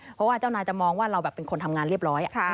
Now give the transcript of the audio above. เพราะว่าเจ้านายจะมองว่าเราแบบเป็นคนทำงานเรียบร้อย